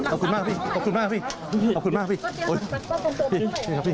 ขอบคุณมากครับพี่ขอบคุณมากครับพี่ขอบคุณมากครับพี่ขอบคุณมากครับพี่